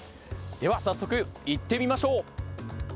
では早速行ってみましょう。